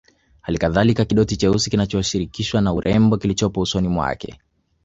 Halikadhalika kidoti cheusi kinachoshirikishwa na urembo kilichopo usoni mwake